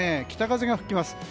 北風が吹きます。